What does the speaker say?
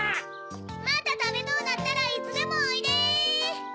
またたべとうなったらいつでもおいで！